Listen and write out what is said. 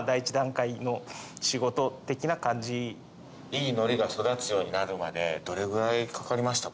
いいのりが育つようになるまでどれぐらいかかりましたか？